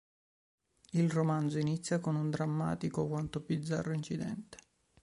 Il romanzo inizia con un drammatico quanto bizzarro incidente.